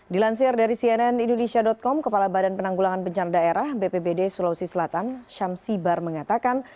dilansir dari cnn indonesia com kepala badan penanggulangan bencana daerah bpbd sulawesi selatan syamsi bar mengatakan